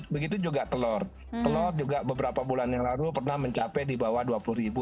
begitu juga telur telur juga beberapa bulan yang lalu pernah mencapai di bawah dua puluh ribu